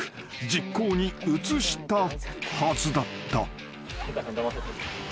［実行に移したはずだった］